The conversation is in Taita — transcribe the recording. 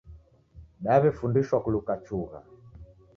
Daw'efundishwa kuluka chugha